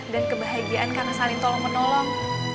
dan kebahagiaan karena saling tolong menolong